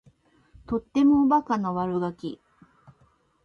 とってもおバカな悪ガキ